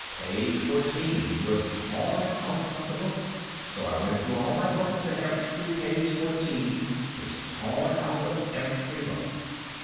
Page fourteen was tore out of the book. So I went through all my books, and every page fourteen was tore out of every book.